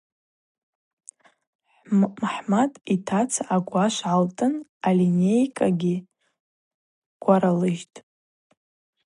Мхӏамат йтаца агвашв гӏалтӏын алинейкӏагьи гваралыжьтӏ.